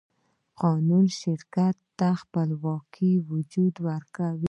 قانون شرکت ته خپلواک وجود ورکوي.